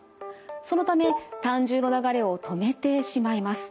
そのため胆汁の流れを止めてしまいます。